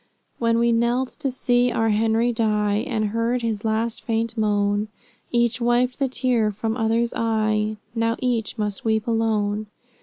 When we knelt to see our Henry die, And heard his last faint moan, Each wiped the tear from other's eye Now, each must weep alone.